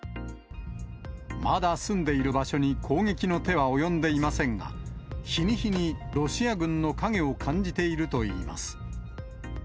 まだ住んでいる場所に攻撃の手は及んでいませんが、日に日にロシア軍の影を感じているといいます。